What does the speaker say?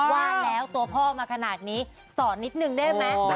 ว่าแล้วตัวพ่อมาขนาดนี้สอนนิดนึงได้ไหม